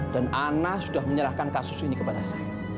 dan ana sudah menyerahkan kasus ini kepada saya